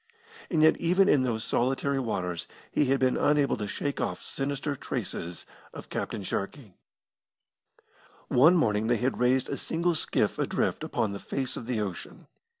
And yet even in those solitary waters he had been unable to shake off sinister traces of Captain Sharkey. One morning they had raised a single skiff adrift upon the face of the ocean.